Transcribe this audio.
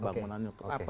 bangunannya untuk apa